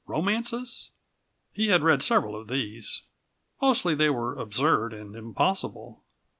Romances? He had read several of these. Mostly they were absurd and impossible.